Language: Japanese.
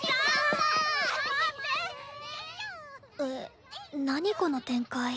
えっ何この展開？